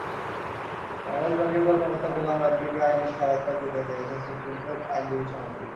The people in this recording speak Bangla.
বাংলাদেশ ব্যাংকের কর্মকর্তা গোলাম রাব্বীকে আইনি সহায়তা দিতে চেয়েছে সুপ্রিম কোর্ট আইনজীবী সমিতি।